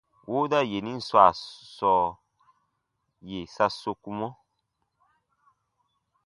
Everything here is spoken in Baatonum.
Wooda yenin swaa sɔɔ, yè sa sokumɔ: